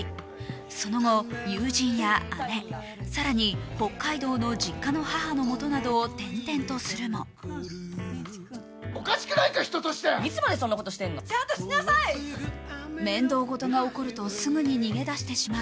その後、友人や姉、更に北海道の実家の母の元などを転々とするも面倒ごとが起こるとすぐに逃げ出してしまう。